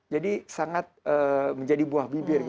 jadi sangat menjadi buah bibir